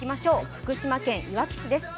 福島県いわき市です。